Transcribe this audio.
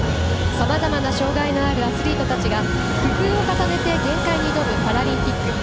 さまざまな障がいのあるアスリートたちが工夫を重ねて限界に挑むパラリンピック。